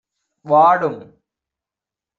வாடும்.